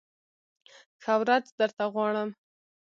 ښه ورځ درته غواړم !